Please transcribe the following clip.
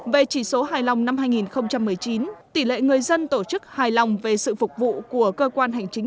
về chỉ số hài lòng năm hai nghìn một mươi chín tỷ lệ người dân tổ chức hài lòng về sự phục vụ của cơ quan hành chính